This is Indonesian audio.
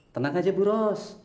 tenang aja bu ros